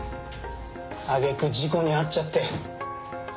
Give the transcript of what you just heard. あげく事故に遭っちゃって。